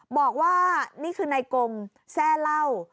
บอกว่านี่คือในกรมแทร่เล่า